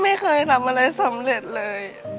ไม่เคยทำอะไรสำเร็จเลย